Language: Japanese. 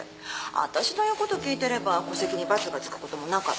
私の言うこと聞いてれば戸籍にバツが付くこともなかったのに。